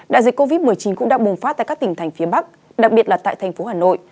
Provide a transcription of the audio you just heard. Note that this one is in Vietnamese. đại dịch covid một mươi chín cũng đang bùng phát tại các tỉnh thành phía bắc đặc biệt là tại thành phố hà nội